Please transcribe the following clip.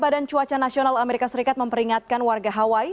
badan cuaca nasional amerika serikat memperingatkan warga hawaii